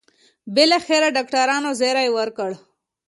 بالاخره ډاکټرانو زېری وکړ.